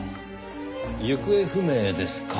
行方不明ですか。